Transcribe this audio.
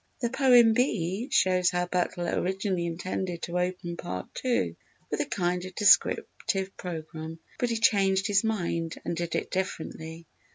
The poem (B) shows how Butler originally intended to open Part II with a kind of descriptive programme, but he changed his mind and did it differently.